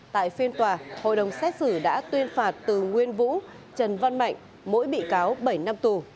tại phiên tòa hội đồng xét xử đã tuyên phạt từ nguyên vũ trần văn mạnh mỗi bị cáo bảy năm tù